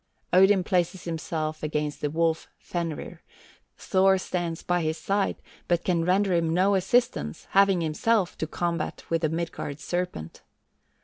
Odin places himself against the wolf Fenrir; Thor stands by his side, but can render him no assistance, having himself to combat with the Midgard serpent.